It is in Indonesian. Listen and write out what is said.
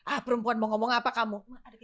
ah perempuan mau ngomong apa kamu